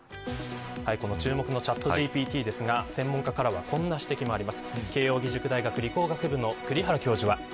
注目のＣｈａｔＧＰＴですが専門家からは、こんな指摘です。